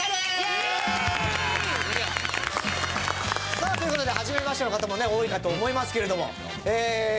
さあという事ではじめましての方もね多いかと思いますけれども。